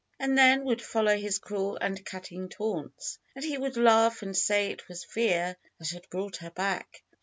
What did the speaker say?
And then would follow his cruel and cutting taunts, and he would laugh and say it was fear that had brought her back.